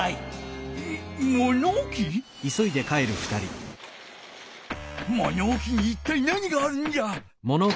ものおきにいったい何があるんじゃ？